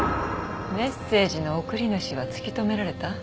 メッセージの送り主は突き止められた？